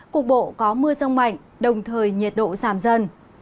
cục bộ có mưa rông mạnh đồng thời nhiệt độ giảm dần